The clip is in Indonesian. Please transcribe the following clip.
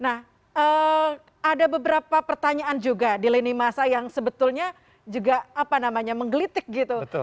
nah ada beberapa pertanyaan juga di leni masa yang sebetulnya juga apa namanya menggelitik gitu